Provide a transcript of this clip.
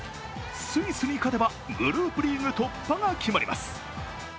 スイスに勝てばグループリーグ突破が決まります。